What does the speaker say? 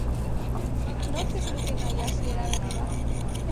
Nork ez luke nahi hasiera berri bat?